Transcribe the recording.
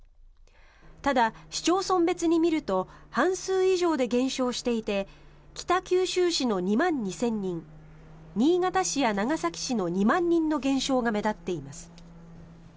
ただ、市町村別に見ると半数以上で減少していて北九州市の２万２０００人新潟市や長崎市の２万人の減少が目立っています。